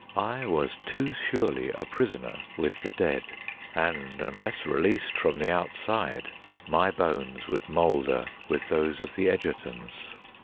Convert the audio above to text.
I was too surely a prisoner with the dead, and unless released from the outside my bones would moulder with those of the Egertons.